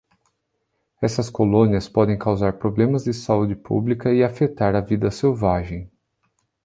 Essas colônias podem causar problemas de saúde pública e afetar a vida selvagem.